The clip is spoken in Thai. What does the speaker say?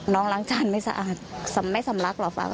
น้องล้างจานไม่สะอาดไม่สำลักหรอฟ้า